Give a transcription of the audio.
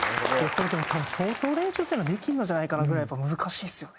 これでも多分相当練習せなできんのじゃないかなぐらいやっぱ難しいですよね。